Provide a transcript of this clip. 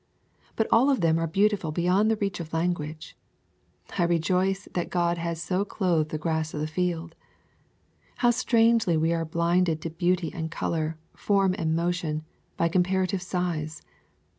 But all of them are beautiful beyond the reach of language. I re joice that God has "so clothed the grass of the field."" How strangely we are blinded to beauty and color, form and motion, by comparative size!